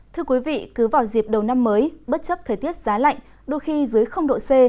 thưa quý vị cứ vào dịp đầu năm mới bất chấp thời tiết giá lạnh đôi khi dưới độ c